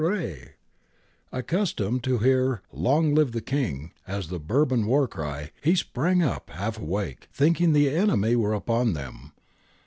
Accus tomed to hear ' Long live the King ' as the Bourbon war cry, he sprang up half awake, thinking the enemy were upon them.